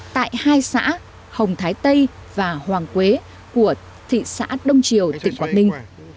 tại hai xã hồng thái tây và hoàng quế của thị xã đông triều tỉnh quảng ninh